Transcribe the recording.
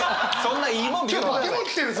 今日化け物来てるぞ！